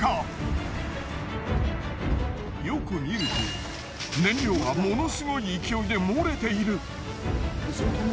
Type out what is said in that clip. よく見ると燃料がものすごい勢いで漏れている。